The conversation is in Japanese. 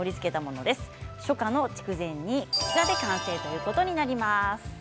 初夏の筑前煮完成ということになります。